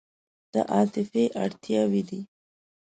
دا عاطفي اړتیاوې دي.